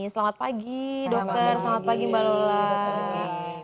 selamat pagi dokter selamat pagi mbak lola